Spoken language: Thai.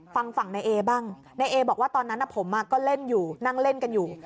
ฝั่งฝั่งนายเอบ้างนายเอบอกว่าตอนนั้นผมก็เล่นอยู่นั่งเล่นกันอยู่